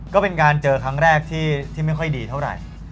ก็เป็นการเจอครั้งแรกที่ไม่ค่อยดีเท่าไหร่